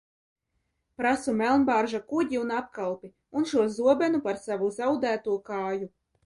Prasu Melnbārža kuģi un apkalpi, un šo zobenu par savu zaudēto kāju!